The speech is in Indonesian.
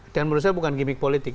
dan menurut saya bukan gimmick politik